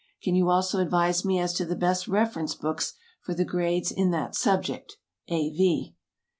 Can you also advise me as to the best reference books for the grades in that subject? A. V.